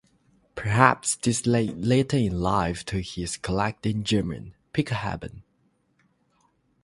Perhaps this led, later in life, to his collecting German "Pickelhauben".